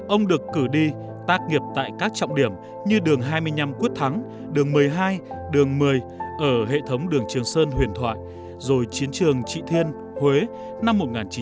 ông được cử đi tác nghiệp tại các trọng điểm như đường hai mươi năm quyết thắng đường một mươi hai đường một mươi ở hệ thống đường trường sơn huyền thoại rồi chiến trường trị thiên huế năm một nghìn chín trăm bảy mươi